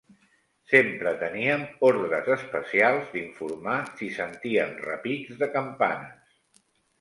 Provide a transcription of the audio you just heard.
Sempre teníem ordres especials d'informar si sentíem repics de campanes